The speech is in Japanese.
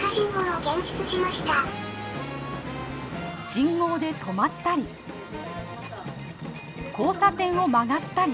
信号で止まったり交差点を曲がったり。